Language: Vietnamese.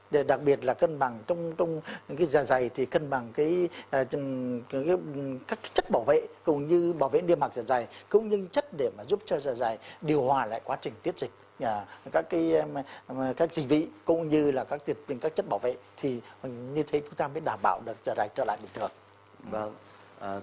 đặc biệt là cân bằng trong cái giả dày thì cân bằng các chất bảo vệ cầu như bảo vệ niêm mạc giả dày cầu như chất để mà giúp cho giả dày điều hòa lại quá trình tiết dịch các dịch vĩ cầu như là các chất bảo vệ thì như thế chúng ta mới đảm bảo giả dày trở lại bình thường